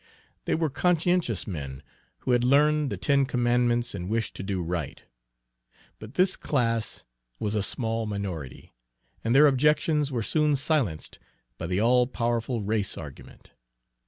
They were conscientious men, who had learned the ten commandments and wished to do right; but this class was a small minority, and their objections were soon silenced by the all powerful race argument.